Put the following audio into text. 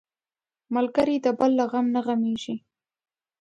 ملګری د بل له غم نه غمېږي